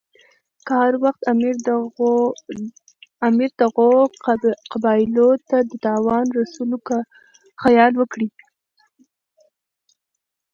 که هر وخت امیر دغو قبایلو ته د تاوان رسولو خیال وکړي.